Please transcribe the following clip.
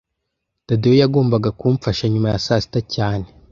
Tadeyo yagombaga kumfasha nyuma ya saa sita cyane